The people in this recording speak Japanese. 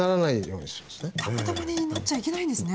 だまだまになっちゃいけないんですね。